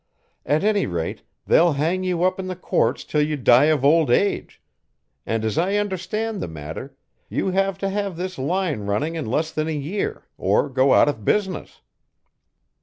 At any rate, they'll hang you up in the courts till you die of old age; and as I understand the matter, you have to have this line running in less than a year, or go out of business."